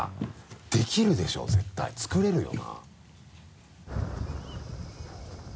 できるでしょ絶対作れるよな。